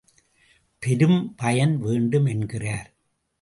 பெரும் பயன் வேண்டும் என்கிறார்.